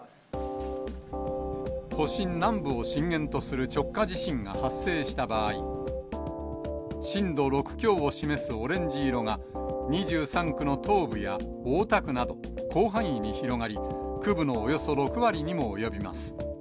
都心南部を震源とする直下地震が発生した場合、震度６強を示すオレンジ色が、２３区の東部や大田区など、広範囲に広がり、区部のおよそ６割にも及びます。